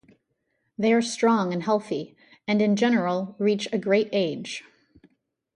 They are strong and healthy, and in general reach a great age.